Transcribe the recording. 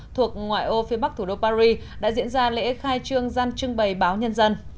thuộc ngoại ô phía bắc thủ đô paris đã diễn ra lễ khai trương gian trưng bày báo nhân dân